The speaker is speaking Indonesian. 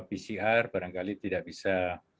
pcr barangkali tidak bisa